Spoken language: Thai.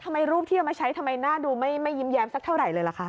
รูปที่เอามาใช้ทำไมหน้าดูไม่ยิ้มแย้มสักเท่าไหร่เลยล่ะคะ